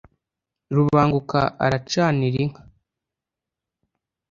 rubanguka aracanira inka,